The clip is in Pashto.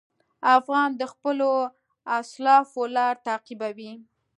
افغان د خپلو اسلافو لار تعقیبوي.